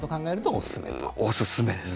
おすすめです。